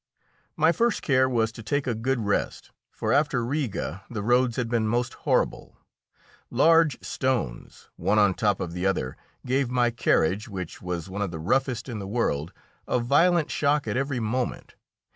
My first care was to take a good rest, for, after Riga, the roads had been most horrible. Large stones, one on top of the other, gave my carriage, which was one of the roughest in the world, a violent shock at every moment.